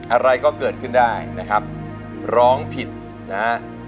อะไรก็เกิดขึ้นได้นะครับร้องผิดนะฮะ